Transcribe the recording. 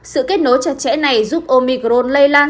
sự kết nối chặt chẽ này giúp omicron lây lan